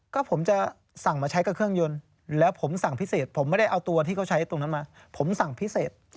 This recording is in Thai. ก็ผมจะสั่งมาใช้กับเครื่องยนต์แล้วผมสั่งพิเศษผมไม่ได้เอาตัวที่เขาใช้ตรงนั้นมาผมสั่งพิเศษ